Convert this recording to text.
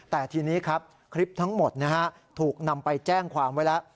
แต่ทีนี้ครับคลิปทั้งหมดนะฮะถูกนำไปแจ้งความไว้แล้ว